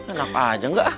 enak aja enggak